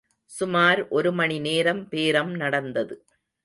சுமார் ஒரு மணிநேரம் பேரம் நடந்தது.